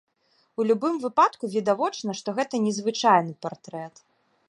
У любым выпадку відавочна, што гэта незвычайны партрэт.